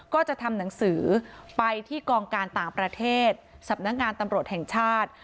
ก็จะทำหนังสือไปที่กองการต่างประเทศสำนักงานตำรวจแห่งชาติ